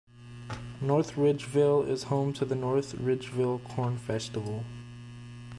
North Ridgeville is home to the North Ridgeville Corn Festival.